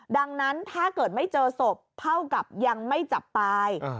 ดังนั้นถ้าเกิดไม่เจอศพเท่ากับยังไม่จับตาย